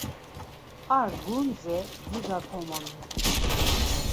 Ar gundze biga komomiği.